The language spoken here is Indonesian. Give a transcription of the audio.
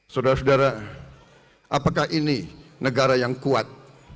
saudara saudara apakah ini negara yang kuat